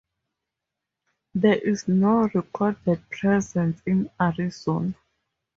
There is no recorded presence in Arizona.